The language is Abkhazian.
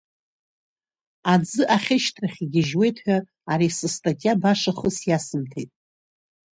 Аӡы ахьышьҭрахь игьежьуеит ҳәа ари сыстатиа баша хыс иасымҭеит.